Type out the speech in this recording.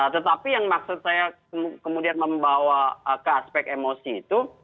tetapi yang maksud saya kemudian membawa ke aspek emosi itu